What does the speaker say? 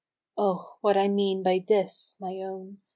Oh I what I mean by " this," my own.